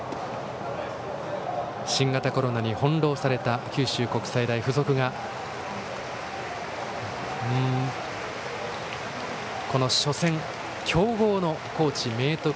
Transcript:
新型コロナに翻弄された九州国際大付属がこの初戦、強豪の高知・明徳